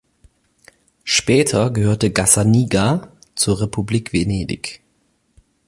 Später gehörte Gazzaniga zur Republik Venedig.